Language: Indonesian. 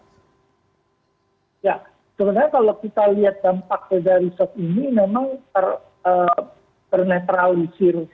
ya sebenarnya kalau kita lihat dampak beda risot ini memang terneutralisir